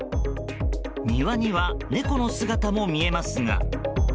庭には猫の姿も見えますが。